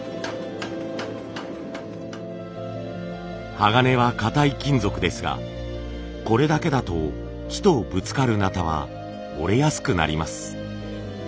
鋼は硬い金属ですがこれだけだと木とぶつかる鉈は折れやすくなります。